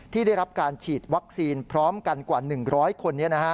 ได้รับการฉีดวัคซีนพร้อมกันกว่า๑๐๐คน